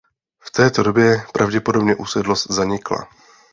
V té době pravděpodobně usedlost zanikla.